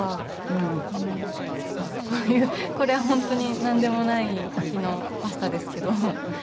ああこういうこれは本当になんでもない日のパスタですけど。